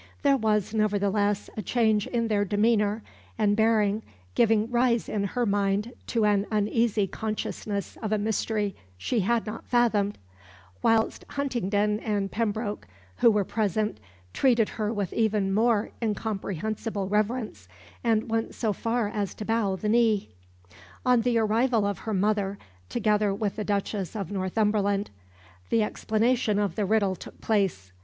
There was, nevertheless, a change in their demeanour and bearing giving rise in her mind to an uneasy consciousness of a mystery she had not fathomed; whilst Huntingdon and Pembroke, who were present, treated her with even more incomprehensible reverence, and went so far as to bow the knee. On the arrival of her mother, together with the Duchess of Northumberland, the explanation of the riddle took place.